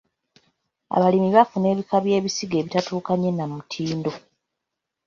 Abalimi bafuna ebika by'ensigo ebitatuukanye na mutindo.